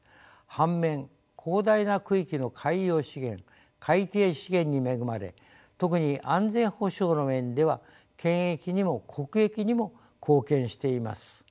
反面広大な区域の海洋資源海底資源に恵まれ特に安全保障の面では県益にも国益にも貢献しています。